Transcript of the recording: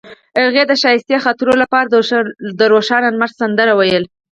هغې د ښایسته خاطرو لپاره د روښانه لمر سندره ویله.